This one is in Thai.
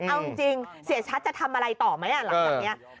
เอาจริงเสียชัดจะทำอะไรต่อไหมหลังจากนี้